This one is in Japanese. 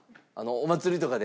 お祭りとかで。